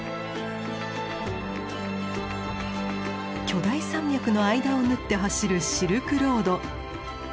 巨大山脈の間を縫って走るシルクロード。